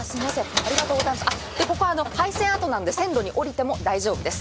ここは廃線あとなんで線路に降りても大丈夫です。